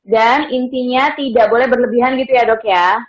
dan intinya tidak boleh berlebihan gitu ya dok ya